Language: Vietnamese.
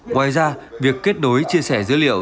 ngoài ra việc kết nối chia sẻ dữ liệu